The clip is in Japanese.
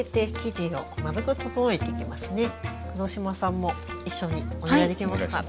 黒島さんも一緒にお願いできますか？